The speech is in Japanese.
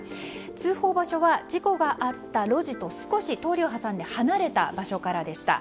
通報場所は事故があった路地と少し、通りを挟んで離れた場所からでした。